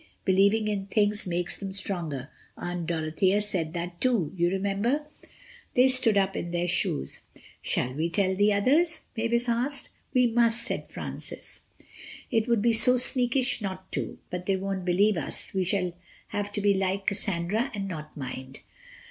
Believing in things makes them stronger. Aunt Dorothea said that too—you remember." They stood up in their shoes. "Shall we tell the others?" Mavis asked. "We must," said Francis, "it would be so sneakish not to. But they won't believe us. We shall have to be like Cassandra and not mind."